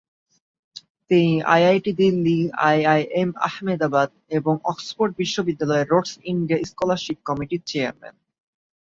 তিনি IIT Delhi, IIM Ahmedabad এবং Oxford বিশ্ববিদ্যালয়ের রোডস ইন্ডিয়া স্কলারশিপ কমিটির চেয়ারম্যান।